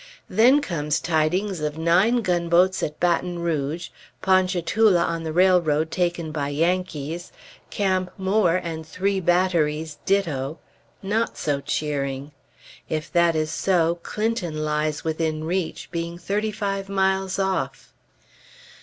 Then comes tidings of nine gunboats at Baton Rouge; Ponchatoula on the railroad taken by Yankees; Camp Moore and three batteries, ditto. Not so cheering! If that is so, Clinton lies within reach, being thirty five miles off.